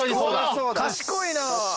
・賢いな。